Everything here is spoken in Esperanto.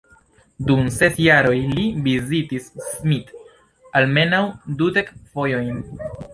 Dum ses jaroj li vizitis Smith almenaŭ dudek fojojn.